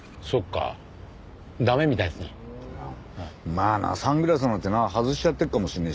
まあなサングラスなんてな外しちゃってるかもしれねえしな。